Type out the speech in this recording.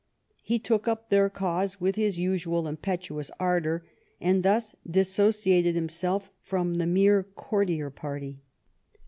He took up their cause with his usual impetuous ardour, and thus dissociated himself from the mere courtier party.